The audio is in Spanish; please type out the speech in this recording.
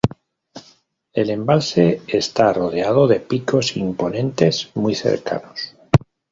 El embalse está rodeado de picos imponentes muy cercanos.